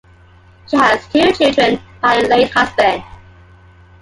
She has two children by her late husband.